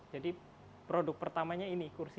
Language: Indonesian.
jadi produk pertamanya ini kursi